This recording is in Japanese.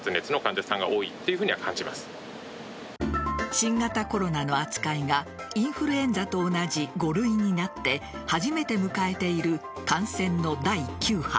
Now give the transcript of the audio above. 新型コロナの扱いがインフルエンザと同じ５類になって初めて迎えている感染の第９波。